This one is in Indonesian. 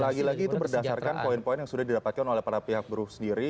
itu lagi lagi berdasarkan poin poin yang sudah didapatkan oleh pihak buruh sendiri